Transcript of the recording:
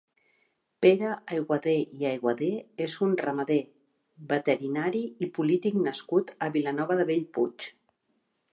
Pere Ayguadé i Ayguadé és un ramader, veterinari i polític nascut a Vilanova de Bellpuig.